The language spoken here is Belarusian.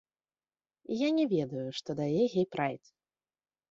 Я не ведаю, што дае гей-прайд.